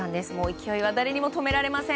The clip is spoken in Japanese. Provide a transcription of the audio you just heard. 勢いは誰にも止められません。